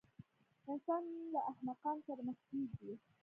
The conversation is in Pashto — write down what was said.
انسان له احمقانو سره مخ کېږي.